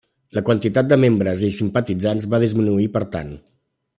La quantitat de membres i simpatitzants va disminuir per tant.